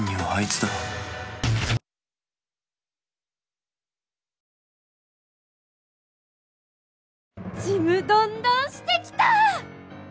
ちむどんどんしてきた！